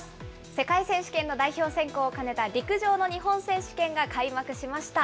世界選手権の代表選考を兼ねた陸上の日本選手権が開幕しました。